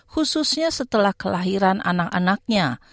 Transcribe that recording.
khususnya setelah kelahiran anak anaknya